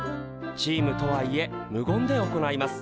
チームとはいえ無言で行います。